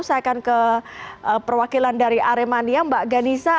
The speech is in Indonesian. saya akan ke perwakilan dari aremania mbak ghanisa